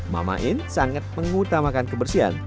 mama in sangat mengutamakan kebersihan